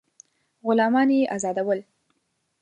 غلامان یې آزادول.